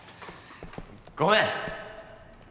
ごめん！